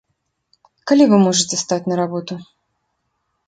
Калі вы можаце стаць на работу?